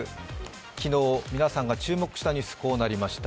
昨日皆さんが注目したニュースはこうなりました。